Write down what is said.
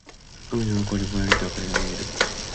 海の向こうにぼんやりと灯りが見える。